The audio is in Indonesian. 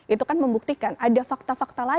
itu kan membuktikan ada fakta fakta lain